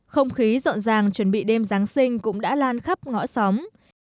không khí rộn ràng chuẩn bị đêm giáng sinh cũng đã lan khắp ngõ xóm